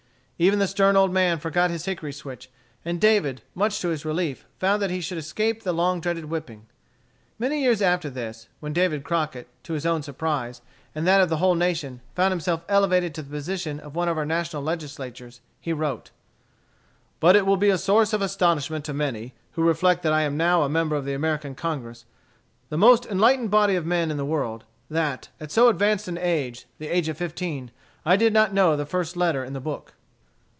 Even the stern old man forgot his hickory switch, and David, much to his relief, found that he should escape the long dreaded whipping. Many years after this, when David Crockett, to his own surprise, and that of the whole nation, found himself elevated to the position of one of our national legislators, he wrote: "But it will be a source of astonishment to many, who reflect that I am now a member of the American Congress, the most enlightened body of men in the world, that, at so advanced an age, the age of fifteen, I did not know the first letter in the book."